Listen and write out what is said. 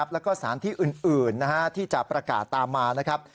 และสถานที่อื่นที่จะประกาศตามมา